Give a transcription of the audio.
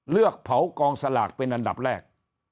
เลือกเผากองสลากเป็นอันดับแรก